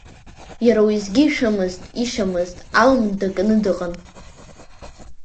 Иара уеизгьы ишәымызт, ишьамызт, алымт даганы дыҟан.